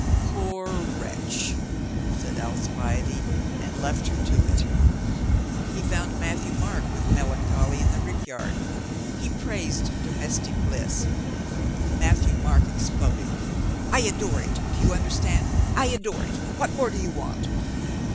"Poor wretch," said Alcibiade, and left her to it. He found Matthieu Marc with melancholy in the rickyard. He praised domestic bliss. Matthieu Marc exploded. "I adore it, do you understand? I adore it. What more do you want?"